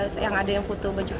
terus yang ada yang foto baju putih